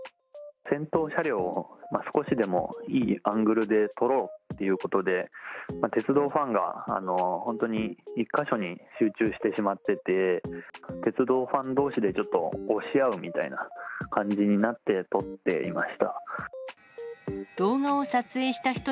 先頭車両を少しでもいいアングルで撮ろうっていうことで、鉄道ファンが本当に１か所に集中してしまってて、鉄道ファンどうしでちょっと押し合うみたいな感じになって撮っていました。